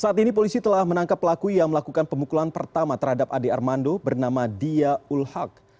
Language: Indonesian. saat ini polisi telah menangkap pelaku yang melakukan pemukulan pertama terhadap ade armando bernama dia ulhak